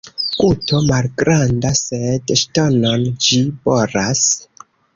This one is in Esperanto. Guto malgranda, sed ŝtonon ĝi boras.